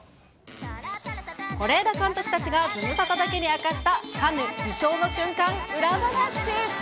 是枝監督たちがズムサタだけに明かした、カンヌ受賞の瞬間裏話。